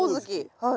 はい。